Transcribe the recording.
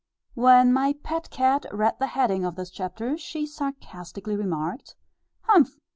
When my pet cat read the heading of this chapter, she sarcastically remarked, "Humph!